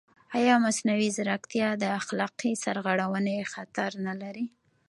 ایا مصنوعي ځیرکتیا د اخلاقي سرغړونې خطر نه لري؟